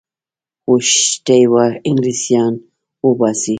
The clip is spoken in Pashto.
غوښتي وه انګلیسیان وباسي.